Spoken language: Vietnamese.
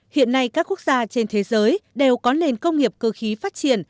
hiện nay các quốc gia trên thế giới đều có nền công nghiệp cơ khí phát triển